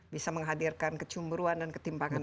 bisa menghadirkan kecumburuan dan ketimpangan